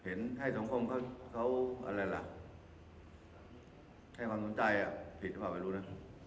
เห็นให้สมคมเขาอะไรล่ะให้ความต้นใจอ่ะผิดก็ฝ่าไปรู้นะ